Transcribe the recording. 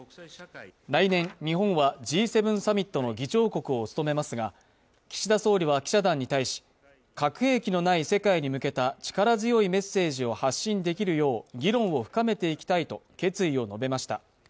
来年、日本はＧ７サミットの議長国を務めますが岸田総理は記者団に対し、核兵器のない世界に向けた力強いメッセージを発信できるよう議論を深めていきたいと決意を述べました。